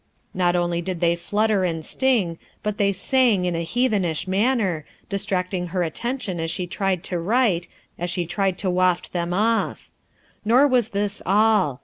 Not only did they flutter and sting, but they sang in a heathenish manner, distracting her attention as she tried to write, as she tried to waft them off. Nor was this all.